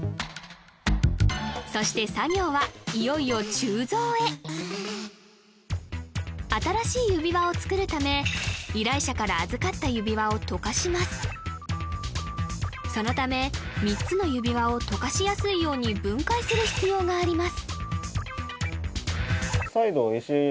そして作業はいよいよ鋳造へ新しい指輪を作るため依頼者から預かったそのため３つの指輪を溶かしやすいように分解する必要があります